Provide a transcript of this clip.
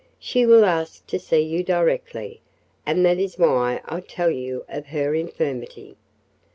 She will ask to see you directly, and that is why I tell you of her infirmity.